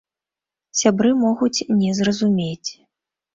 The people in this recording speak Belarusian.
Сябры могуць не зразумець.